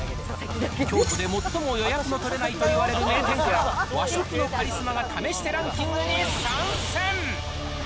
京都で最も予約の取れないという名店から、和食のカリスマが試してランキングに参戦。